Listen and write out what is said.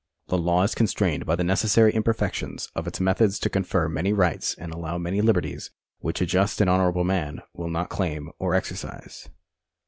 The law is constrained by the necessary imperfections of its methods to confer many rights and allow many liberties which a just and honourable man will not claim or exercise.